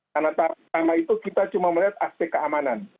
karena sama itu kita cuma melihat aspek keamanan